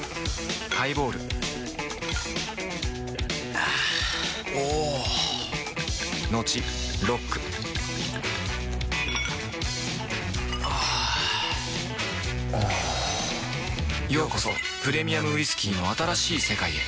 あぁおぉトクトクあぁおぉようこそプレミアムウイスキーの新しい世界へ